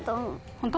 ホント？